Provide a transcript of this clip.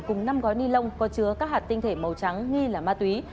cùng năm gói ni lông có chứa các hạt tinh thể màu trắng nghi là ma túy